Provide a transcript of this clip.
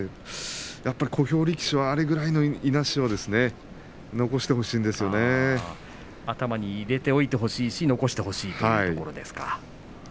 やっぱり小兵力士はあれぐらいのいなしは頭に入れておいてほしいし残しておいてほしい。